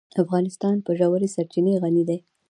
افغانستان په ژورې سرچینې غني دی.